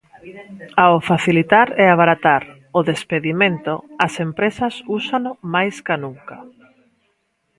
Ao facilitar e abaratar o despedimento, as empresas úsano máis ca nunca.